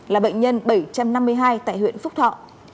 là bệnh nhân bảy trăm năm mươi hai tại huyện phúc thọ